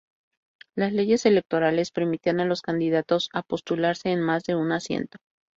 Las leyes electorales permitían a los candidatos a postularse en más de un asiento.